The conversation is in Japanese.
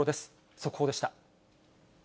速報でした。